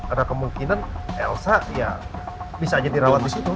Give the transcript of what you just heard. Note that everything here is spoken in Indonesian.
ada kemungkinan elsa yang bisa aja dirawat di situ